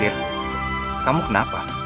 sir kamu kenapa